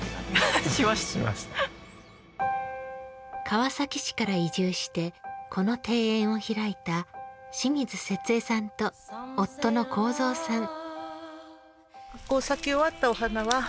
川崎市から移住してこの庭園を開いた清水節江さんと夫の幸三さん。